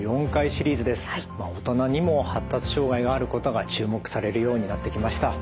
大人にも発達障害があることが注目されるようになってきました。